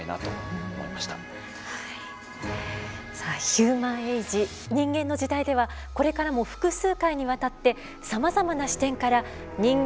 「ヒューマン・エイジ人間の時代」ではこれからも複数回にわたってさまざまな視点から「人間とは何か」